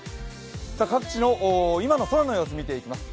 各地の今の空の様子見ていきます。